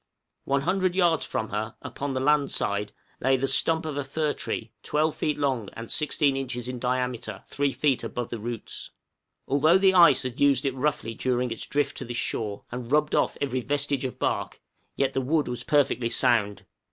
One hundred yards from her, upon the land side, lay the stump of a fir tree 12 feet long, and 16 inches in diameter at 3 feet above the roots. Although the ice had used it roughly during its drift to this shore, and rubbed off every vestige of bark, yet the wood was perfectly sound.